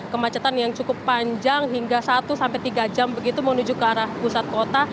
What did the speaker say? kemacetan yang cukup panjang hingga satu sampai tiga jam begitu menuju ke arah pusat kota